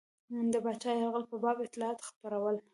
د پاچا د یرغل په باب اطلاعات خپرول.